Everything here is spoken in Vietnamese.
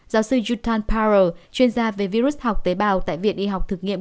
giáo sư yutan paro chuyên gia về virus học tế bào tại viện y học thực nghiệm